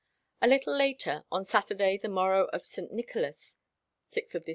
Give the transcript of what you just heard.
A little later, on Saturday the morrow of St. Nicholas (6 Dec.